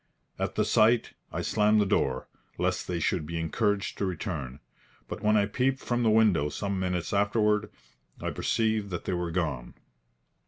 At the sight, I slammed the door, lest they should be encouraged to return. But when I peeped from the window some minutes afterward, I perceived that they were gone.